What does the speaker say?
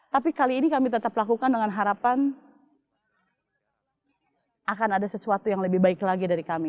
tapi kali ini kami tetap lakukan dengan harapan akan ada sesuatu yang lebih baik lagi dari kami